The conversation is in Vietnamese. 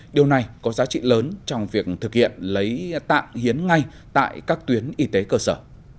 điều này có giá trị lớn trong việc thực hiện lấy tạng hiến ngay tại các tuyến y tế cơ sở